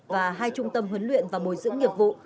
và hai trung tâm huấn luyện và bồi dưỡng nghiệp vụ